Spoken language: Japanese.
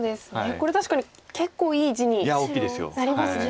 これ確かに結構いい地になりますね。